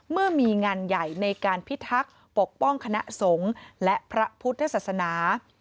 เมื่อมีงานใหญ่ในการพิทักษ์ปกป้องคณะสงฆ์และพระพุทธศาสนา